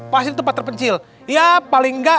pasti tempat terpencil ya paling nggak